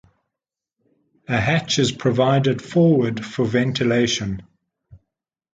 A hatch is provided forward for ventilation.